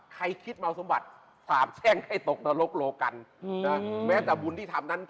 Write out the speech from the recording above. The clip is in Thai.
ใครคิดมาเอาสมบัติสาปแช่งให้ตกตะลกโลกัน